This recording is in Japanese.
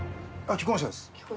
既婚者です。